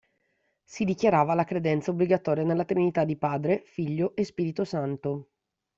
Si dichiarava la credenza obbligatoria nella trinità di Padre, Figlio e Spirito Santo.